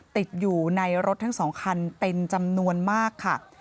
ติดอยู่ในรถทั้ง๒คันเป็นจำนวนมากค่ะ